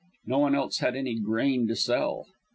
No one else had any grain to sell.